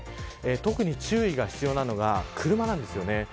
特に注意が必要なのが車です。